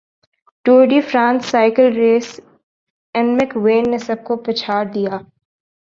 Tour de France cycle race اینمک وین نے سب کو پچھاڑدیا